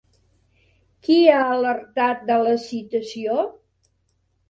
Qui ha alertat de la citació?